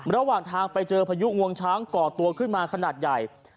ระหว่างทางไปเจอพายุงวงช้างก่อตัวขึ้นมาขนาดใหญ่